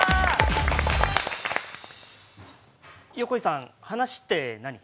横井さん、話って何？